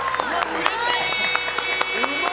うれしー！